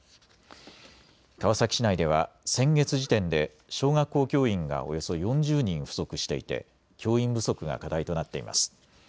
川崎市内では先月時点で小学校教員がおよそ４０人不足していて教員不足が課題となっています。